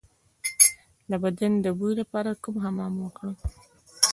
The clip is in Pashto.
د بدن د بوی لپاره کوم حمام وکړم؟